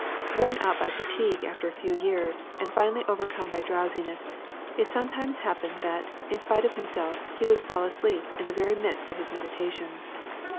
Worn out by fatigue after a few years, and finally overcome by drowsiness, it sometimes happened that, in spite of himself, he would fall asleep in the very midst of his meditations.